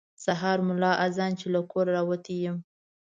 سهار ملا اذان چې له کوره راوتی یم.